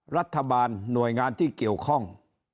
รัฐบาลหน่วยงานที่เกี่ยวข้อง